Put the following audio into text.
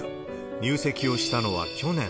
入籍をしたのは去年。